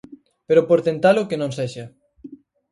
Pero por tentalo que non sexa.